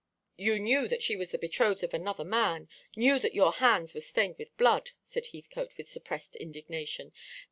"You knew that she was the betrothed of another man, knew that your hands were stained with blood," said Heathcote, with suppressed indignation.